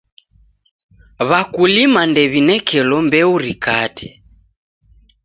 W'akulima ndew'inekelo mbeu rikate.